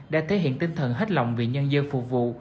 đã thể hiện tinh thần hết lòng vì nhân dân phục vụ